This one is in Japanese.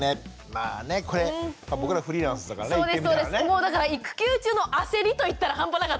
もうだから育休中の焦りといったら半端なかったです。